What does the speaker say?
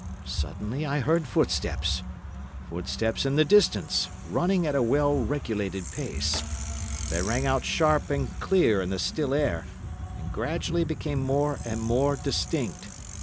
Suddenly I heard footsteps—footsteps in the distance, running at a well regulated pace. They rang out sharp and clear in the still air, and gradually became more and more distinct.